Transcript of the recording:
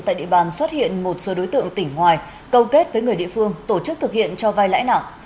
tại địa bàn xuất hiện một số đối tượng tỉnh ngoài câu kết với người địa phương tổ chức thực hiện cho vai lãi nặng